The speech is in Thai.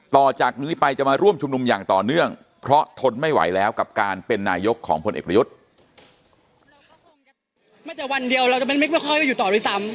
ต่อจากนี้ไปจะมาร่วมชุมนุมอย่างต่อเนื่องเพราะทนไม่ไหวแล้วกับการเป็นนายกของพลเอกประยุทธ์